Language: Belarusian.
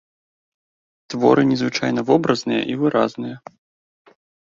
Творы незвычайна вобразныя і выразныя.